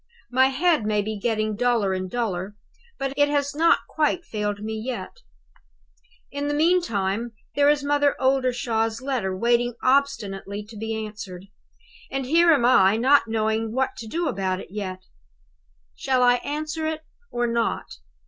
My head may be getting duller and duller, but it has not quite failed me yet. "In the meantime, there is Mother Oldershaw's letter waiting obstinately to be answered; and here am I, not knowing what to do about it yet. Shall I answer it or not?